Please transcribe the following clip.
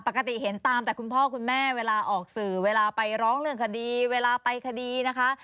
ปกติเห็นตามแต่คุณพ่อคุณแม่เวลาออกสื่อเวลาไปร้องเรื่องคดีเวลาไปคดีนะคะ